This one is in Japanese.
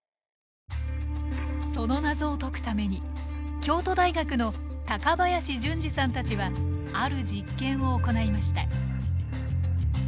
その謎を解くために京都大学の林純示さんたちはある実験を行いました。